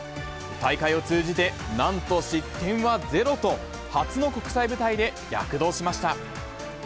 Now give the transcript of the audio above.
大会を通じてなんと失点はゼロと、初の国際舞台で躍動しました。